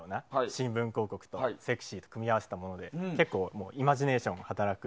新聞広告とセクシーを組み合わせたもので結構、イマジネーションが働く。